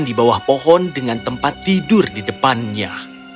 di bawah pohon dengan tempat tidur di depannya